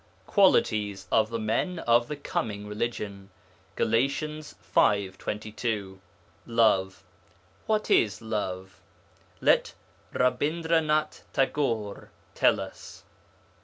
QUALITIES OF THE MEN OF THE COMING RELIGION (Gal. v. 22) 1. Love. What is love? Let Rabindranath Tagore tell us.